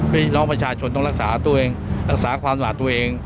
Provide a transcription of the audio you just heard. พี่น้องประชาชนต้องรักษาตัวเองรักษาความสะอาดตัวเอง